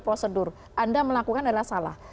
prosedur anda melakukan adalah salah